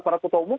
para ketua umum